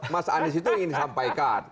mas anies itu ingin sampaikan